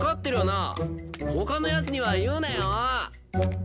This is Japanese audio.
他の奴には言うなよ！